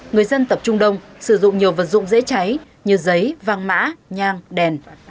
người dân tập trung đông sử dụng nhiều vật dụng dễ cháy như giấy vang mã nhang đèn